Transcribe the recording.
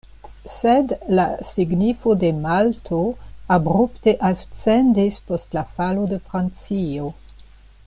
Sed la signifo de Malto abrupte ascendis post la falo de Francio.